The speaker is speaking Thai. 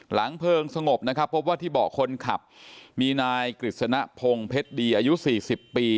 เพลิงสงบนะครับพบว่าที่เบาะคนขับมีนายกฤษณพงศ์เพชรดีอายุ๔๐ปี